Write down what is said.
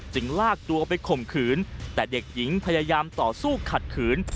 ลากตัวไปข่มขืนแต่เด็กหญิงพยายามต่อสู้ขัดขืน